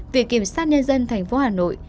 viện kiểm sát nhân dân thành phố hà nội